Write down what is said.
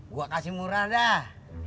gue kasih murah dah